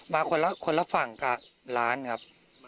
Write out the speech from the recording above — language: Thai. มาคนละฝั่งกับร้านครับ